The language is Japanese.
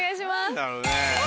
何だろうね。